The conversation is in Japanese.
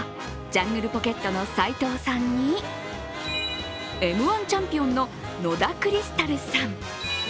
ジャングルポケットの斉藤さんにＭ−１チャンピオンの野田クリスタルさん。